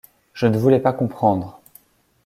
Je ne voulais pas comprendre !